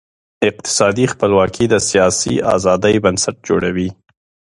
اقتصادي خپلواکي د سیاسي آزادۍ بنسټ جوړوي.